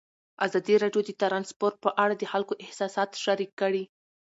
ازادي راډیو د ترانسپورټ په اړه د خلکو احساسات شریک کړي.